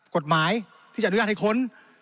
กฎหมายที่จะอนุญาตให้ค้น